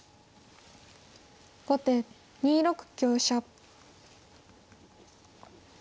後手２六香車。